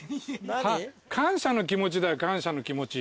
感謝の気持ちだよ感謝の気持ち。